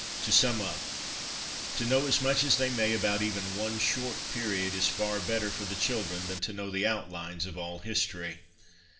To sum up, to know as much as they may about even one short period, is far better for the children than to know the ' outlines ' of all history.